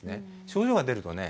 症状が出るとね